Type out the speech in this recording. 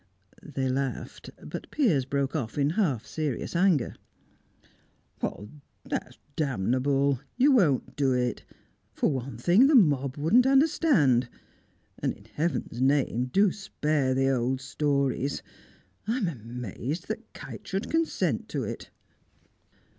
They laughed, but Piers broke off in half serious anger. "That's damnable! You won't do it. For one thing, the mob wouldn't understand. And in heaven's name do spare the old stories! I'm amazed that Kite should consent to it."